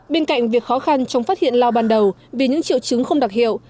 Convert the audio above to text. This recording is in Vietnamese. bên cạnh việc khó khăn trong phát hiện lao ban đầu vì những triệu chứng không đặc hiệu